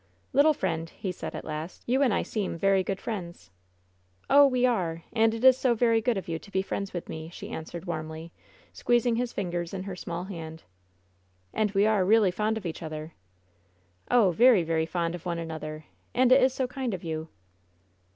"Little friend/* he said, at last, "you and I seem very good friends.*' "Oh, we are! And it is so very good of you to be friends with me!" she answered, warmly, squeezing his fingers in her small hand. "And we are really fond of each other. "Oh, very, very fond of one another, and it is so kind of you!